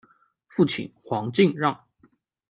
父亲黄敬让。